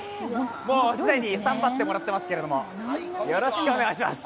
もう既にスタンバってもらってますけどよろしくお願いします。